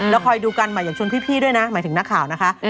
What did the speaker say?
แล้วคอยดูกันใหม่อย่างชวนพี่ด้วยนะหมายถึงนักข่าวนะคะ